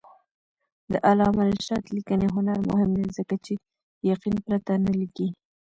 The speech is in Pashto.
د علامه رشاد لیکنی هنر مهم دی ځکه چې یقین پرته نه لیکي.